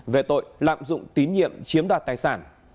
về tội lạm dụng tín nhiệm chiếm đoạt tài sản